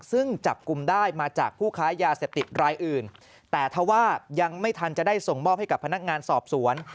ซึ่งจับกลุ่มได้มาจากผู้ค้ายาเสพติดรายอื่นแต่ถ้าว่ายังไม่ทันจะได้ส่งมอบให้กับพนักงานสอบสวน